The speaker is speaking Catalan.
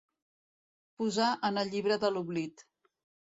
Posar en el llibre de l'oblit.